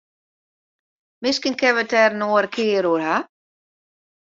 Miskien kinne wy it der in oare kear oer hawwe.